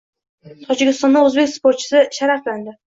Tojikistonda o‘zbek sportchisi sharaflandi